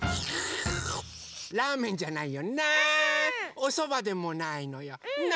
おそばでもないのよね！